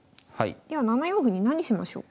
では７四歩に何しましょうか。